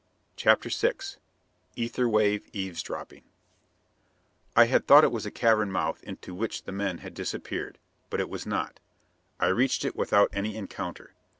CHAPTER VI Ether wave Eavesdropping I had thought it was a cavern mouth into which the men had disappeared, but it was not. I reached it without any encounter.